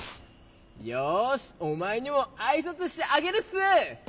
よしおまえにもあいさつしてあげるっす！